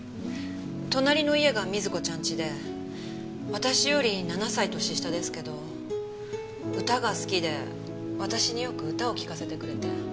隣の家が瑞子ちゃんちで私より７歳年下ですけど歌が好きで私によく歌を聞かせてくれて。